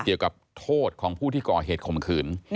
เกี่ยวกับโทษของผู้ที่ก่อเหตุข่มขืน